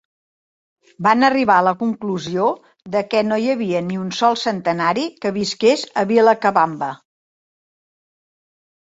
Van arribar a la conclusió de que no hi havia ni un sol centenari que visqués a Vilacabamba.